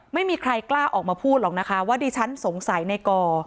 ไม่มีใครกล้าออกมาพูดหรอกนะคะว่าดิฉันสงสัยในก่อ